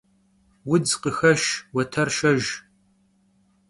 Vudz khıxeşş, vueter şşejj.